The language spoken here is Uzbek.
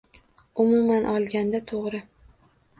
Umuman olganda, to‘g‘ri.